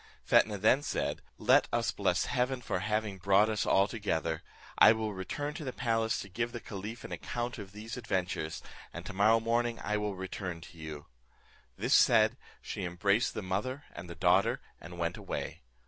Fetnah then said, "Let us bless Heaven for having brought us all together. I will return to the palace to give the caliph an account of these adventures, and tomorrow morning I will return to you." This said, she embraced the mother and the daughter, and went away.